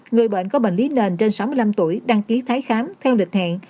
người bệnh có bệnh lý nền trên sáu mươi năm tuổi đăng ký tái khám theo lịch hẹn